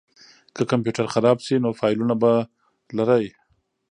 که کمپیوټر خراب شي نو فایلونه به لرئ.